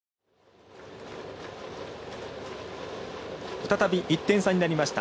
再び１点差になりました。